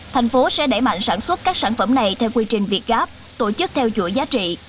tp hcm sẽ đẩy mạnh sản xuất các sản phẩm này theo quy trình việc gáp tổ chức theo chuỗi giá trị